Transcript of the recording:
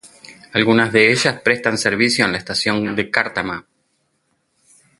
Algunas de ellas prestan servicio en la Estación de Cártama.